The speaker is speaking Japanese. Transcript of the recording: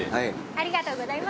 ありがとうございます。